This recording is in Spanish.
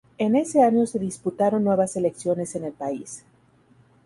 En ese año se disputaron nuevas elecciones en el país.